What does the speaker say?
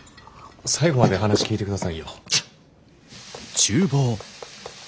最後まで話聞いてくださいよ。